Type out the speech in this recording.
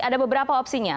ada beberapa opsinya